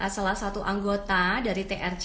salah satu anggota dari trc